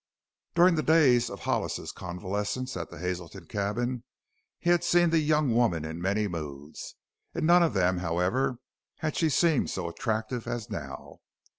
During the days of Hollis's convalescence at the Hazelton cabin he had seen the young woman in many moods. In none of them, however, had she seemed so attractive as now.